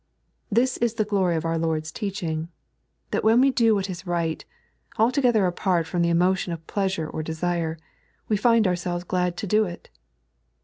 This is the glory of our Lord's teaching, that when we do what is right, altogether apart from the emotion of pleasure or de«re, we find ourselves glad to do it.